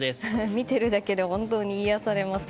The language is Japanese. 見てるだけで本当に癒やされます。